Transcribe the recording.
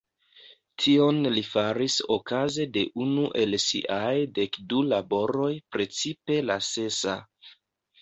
Tion li faris okaze de unu el siaj dek du laboroj, precize la sesa.